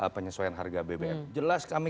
penyesuaian harga bbm jelas kami